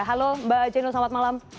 halo mbak jeno selamat malam